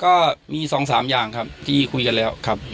ก็มี๒๓อย่างครับที่คุยกันแล้วครับ